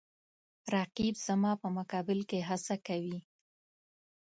رقیب زما په مقابل کې هڅه کوي